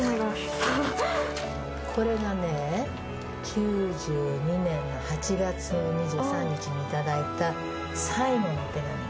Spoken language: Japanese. これがね９２年の８月２３日にいただいた最後のお手紙なの。